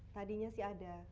tadinya sih ada